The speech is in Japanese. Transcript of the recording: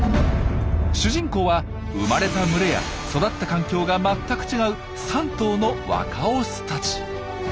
主人公は生まれた群れや育った環境が全く違う３頭の若オスたち。